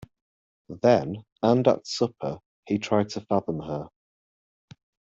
Then, and at supper, he tried to fathom her.